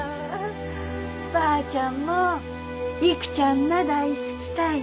ばあちゃんも育ちゃんな大好きたい